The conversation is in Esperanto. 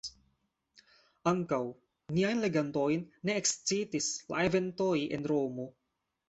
Ankaŭ niajn legantojn ne ekscitis la eventoj en Romo.